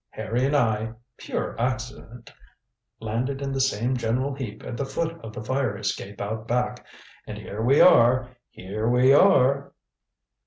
Harry and I pure accident landed in the same general heap at the foot of the fire escape out back. And here we are! Here we are!"